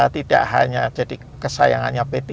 tidak hanya jadi kesayangannya p tiga